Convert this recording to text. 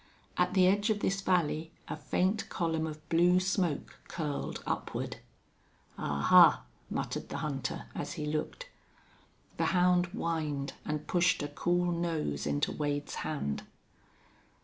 At the edge of this valley a faint column of blue smoke curled upward. "Ahuh!" muttered the hunter, as he looked. The hound whined and pushed a cool nose into Wade's hand.